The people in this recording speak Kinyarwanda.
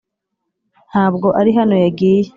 ntabwo ari hano yagiye.